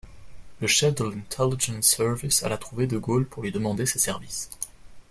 Le chef de l'Intelligence Service alla trouver de Gaulle pour lui demander ses services.